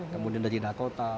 kemudian dari dakota